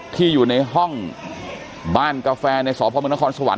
ที่อยู่ในห้องบ้านกาแฟในสพมนครสวรร